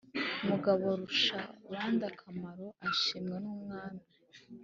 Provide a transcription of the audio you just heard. ” mugaborushabandakamaro ashimwa n' umwami.